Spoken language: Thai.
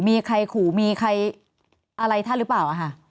มีใครขู่มีใครอะไรท่านหรือเปล่าค่ะ